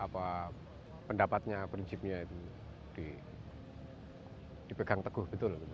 pendapatnya prinsipnya itu dipegang teguh